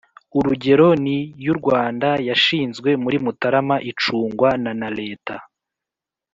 urugero ni y'u rwanda yashinzwe muri mutarama icungwa na na leta.